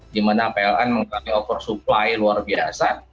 dimana pln mengalami oversupply luar biasa